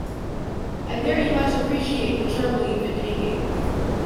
I very much appreciate the trouble you've been taking